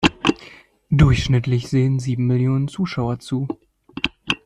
Durchschnittlich sehen sieben Millionen Zuschauer zu.